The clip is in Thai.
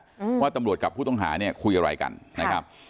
อืมว่าตำรวจกับผู้ต้องหาเนี่ยคุยอะไรกันนะครับ